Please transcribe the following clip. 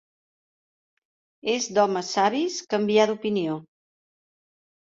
És d'homes savis canviar d'opinió.